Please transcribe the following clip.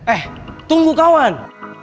eh tunggu kawan